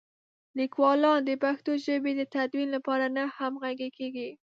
لیکوالان د پښتو ژبې د تدوین لپاره نه همغږي کېږي.